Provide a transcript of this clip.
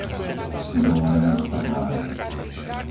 Dolné Strháre